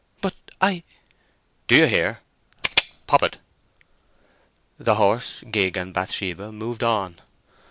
"But I—" "Do you hear? Clk—Poppet!" The horse, gig, and Bathsheba moved on.